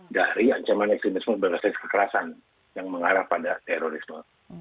dari ancaman ekstremisme berbasis kekerasan yang mengarah pada terorisme